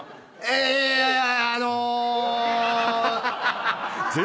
えあの。